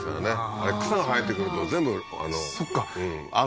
あれ草が生えてくると全部そっかうん